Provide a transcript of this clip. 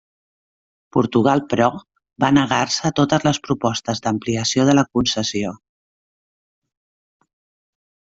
Portugal, però, va negar-se a totes les propostes d'ampliació de la concessió.